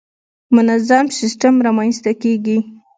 منظم سیستم رامنځته کېږي.